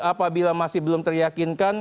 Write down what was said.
apabila masih belum teryakinkan